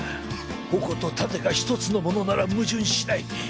矛と盾が一つのものなら矛盾しない。